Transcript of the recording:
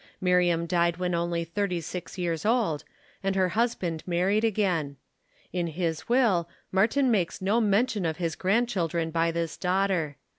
Miriam died when only thirty six years old, and her husband married again. In his will, Martin makes no mention of his grandchildren by this daughter.